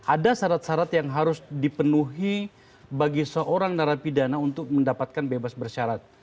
ada syarat syarat yang harus dipenuhi bagi seorang narapidana untuk mendapatkan bebas bersyarat